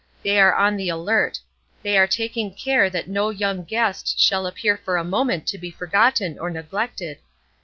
They are on the alert; they are taking care that no young guest shall appear for a moment to be forgotten or neglected.